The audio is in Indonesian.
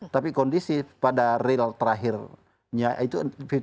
tapi kondisi pada real terakhirnya itu lima puluh lima puluh